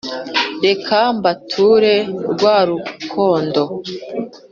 reka mbature rwa rukondo